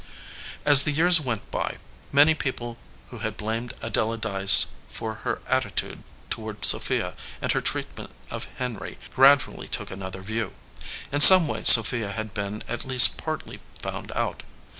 As the years went by many people who had blamed Adela Dyce for her attitude toward Sophia and her treatment of Henry gradually took another view. In some way Sophia had been at least partly found out.